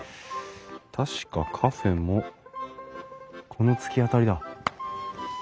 確かカフェもこの突き当たりだ。